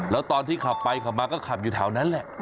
แล้วตอนที่ขับไปขับมาก็ขับอยู่แถวนั้นแหละ